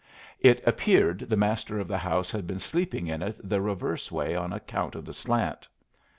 It appeared the master of the house had been sleeping in it the reverse way on account of the slant.